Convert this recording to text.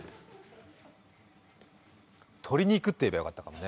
鶏肉って言えばよかったかもね。